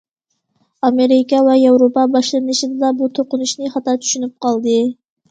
ئامېرىكا ۋە ياۋروپا باشلىنىشىدىلا بۇ توقۇنۇشنى خاتا چۈشىنىپ قالدى.